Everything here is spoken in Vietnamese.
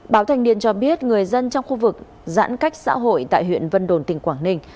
báo thanh niên cho biết người dân trong khu vực giãn cách xã hội tại huyện vân đồn tỉnh quảng ninh